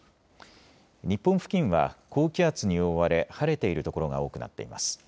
日本付近は高気圧に覆われ晴れている所が多くなっています。